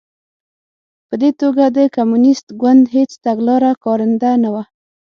په دې توګه د کمونېست ګوند هېڅ تګلاره کارنده نه وه